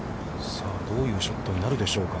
どういうショットになるでしょうか。